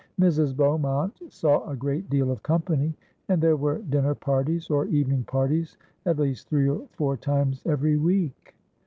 Mrs. Beaumont saw a great deal of company; and there were dinner parties or evening parties at least three or four times every week.